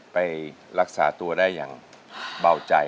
ไปรักษาตัวได้อย่างเบาใจ